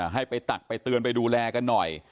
ให้ไปตักไปเตือนไปดูแลกันหน่อย